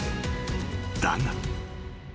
［だが］